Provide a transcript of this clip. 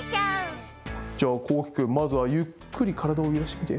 じゃあこうきくんまずはゆっくりからだをゆらしてみて。